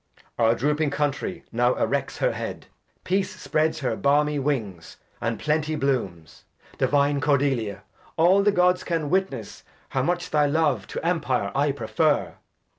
Edg. Our drooping Country now erects her Head, Peace spreads her balmy Wings, and Plenty blooms. Divine Cordelia, aU the Gods can witness How much thy Love to Empire I prefer